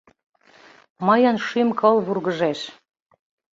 «Мыйын шӱм-кыл вургыжеш.